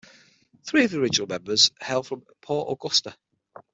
Three of the original members hail from Port Augusta.